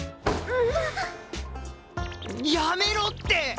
やめろって！